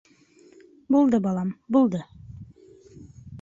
— Булды, балам, булды.